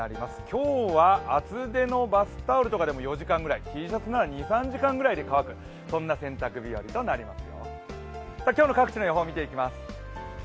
今日は厚手のバスタオルとかでも４時間ぐらい、Ｔシャツなら２３時間で乾くそんな洗濯日和となります。